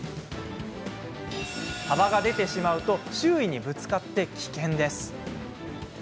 幅が出てしまうと周囲にぶつかり危険です。